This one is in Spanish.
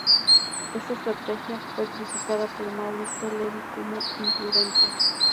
Esta estrategia fue criticada por Maurice Levy como "imprudente".